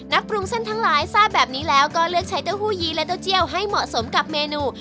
ปรุงเส้นทั้งหลายทราบแบบนี้แล้วก็เลือกใช้เต้าหู้ยี้และเต้าเจียวให้เหมาะสมกับเมนู